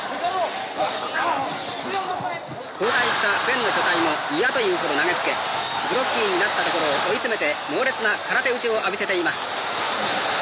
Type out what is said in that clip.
交代したベンの巨体も嫌というほど投げつけグロッキーになったところを追い詰めて猛烈な空手打ちを浴びせています。